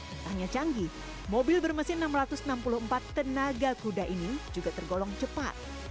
tentangnya canggih mobil bermesin enam ratus enam puluh empat tenaga kuda ini juga terkenal